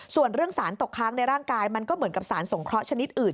ส่วนเรื่องสารตกค้างในร่างกายมันก็เหมือนกับสารสงเคราะหชนิดอื่น